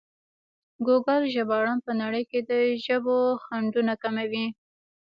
ګوګل ژباړن په نړۍ کې د ژبو خنډونه کموي.